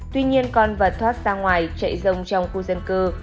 tuy nhiên con vật thoát sang ngoài chạy rồng trong khu dân cư